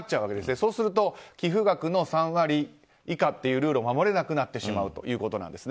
そうすると寄付額の３割以下というルールを守れなくなってしまうんですね。